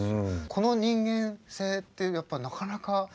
この人間性ってやっぱなかなか。